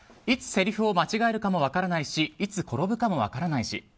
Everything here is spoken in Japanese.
いつせりふを間違えるかも分からないしいつ転ぶかも分からないし。